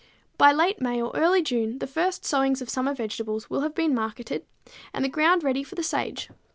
By late May or early June the first sowings of summer vegetables will have been marketed and the ground ready for the sage.